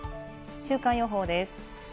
週間予報です。